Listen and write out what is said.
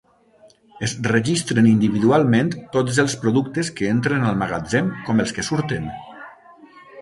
Es registren individualment tots els productes que entren al magatzem com els que surten.